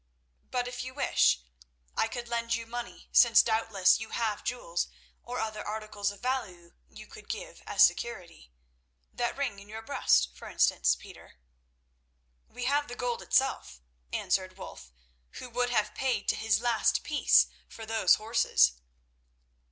But if you wish, I could lend you money, since doubtless you have jewels or other articles of value you could give as security—that ring in your breast, for instance, Peter." "We have the gold itself," answered Wulf, who would have paid to his last piece for those horses.